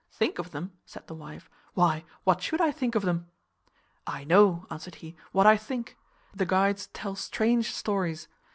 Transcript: "Think of them?" said the wife, "why, what should I think of them?" "I know," answered he, "what I think. The guides tell strange stories.